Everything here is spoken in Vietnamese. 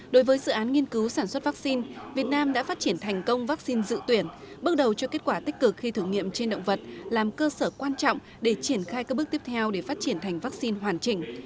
đối với dự án nghiên cứu sản xuất vaccine việt nam đã phát triển thành công vaccine dự tuyển bước đầu cho kết quả tích cực khi thử nghiệm trên động vật làm cơ sở quan trọng để triển khai các bước tiếp theo để phát triển thành vaccine hoàn chỉnh